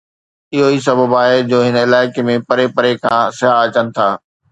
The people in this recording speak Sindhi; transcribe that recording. اهو ئي سبب آهي جو هن علائقي ۾ پري پري کان سياح اچن ٿا.